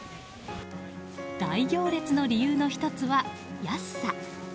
大行列の理由の１つは、安さ。